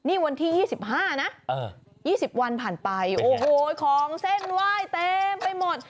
นี่วันที่๒๕นะ๒๐วันผ่านไปโอ้โหของเส้นไหว้เต็มไปหมด